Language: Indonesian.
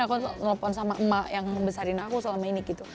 aku nelfon sama emak yang membesarin aku selama ini gitu